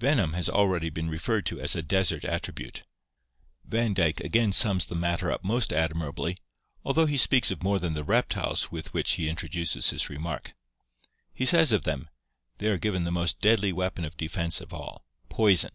Venom has already been referred to as a desert attribute. Van Dyke again sums the matter up most admirably, although he speaks of more than the reptiles with which he introduces his re mark. He says of them : "They are given the most deadly weapon of defense of all — poison.